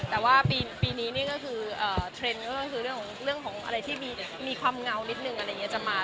แต่ว่าปีนี้ก็คือเทรนด์ก็คือเรื่องของอะไรที่มีความเงานิดนึงจะมา